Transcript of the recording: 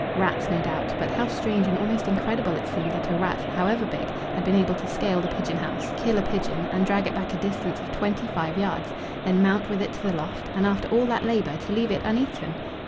Rats, no doubt, but how strange and almost incredible it seemed that a rat, however big, had been able to scale the pigeon house, kill a pigeon and drag it back a distance of twenty five yards, then mount with it to the loft, and after all that labour to leave it uneaten!